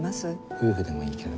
夫婦でもいいけど。